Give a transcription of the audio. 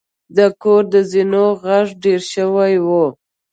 د کور د زینو غږ ډیر شوی و.